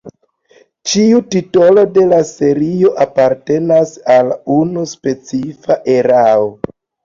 Ĉiu titolo de la serio apartenas al unu specifa erao.